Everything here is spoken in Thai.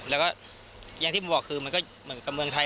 แล้วก็อย่างที่ผมบอกคือมันก็เหมือนกับเมืองไทย